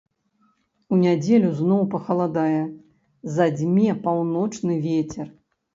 У нядзелю зноў пахаладае, задзьме паўночны вецер.